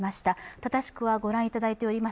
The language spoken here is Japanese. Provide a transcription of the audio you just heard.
正しくはご覧いただいております